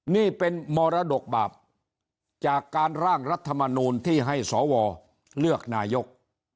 นี่เป็นมรดกบาปจากการร่างรัฐมนูลที่ให้สวเลือกนายก